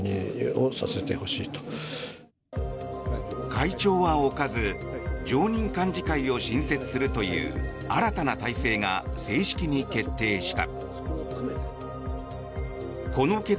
会長は置かず常任幹事会を新設するという新たな体制が正式に決定した。